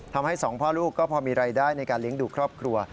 ทำให้สองพ่อลูกก็พอมีรายได้ในการเลี้ยงดูครอบครัว